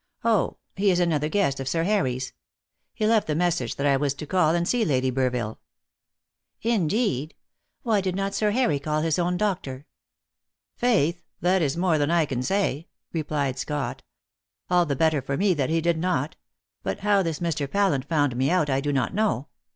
Oh, he is another guest of Sir Harry's. He left the message that I was to call and see Lady Burville." "Indeed. Why did not Sir Harry call in his own doctor?" "Faith! that is more than I can say," replied Scott. "All the better for me that he did not. But how this Mr. Pallant found me out I do not know.